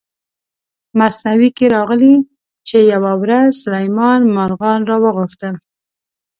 مثنوي کې راغلي چې یوه ورځ سلیمان مارغان را وغوښتل.